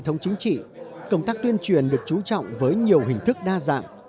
hệ thống chính trị công tác tuyên truyền được chú trọng với nhiều hình thức đa dạng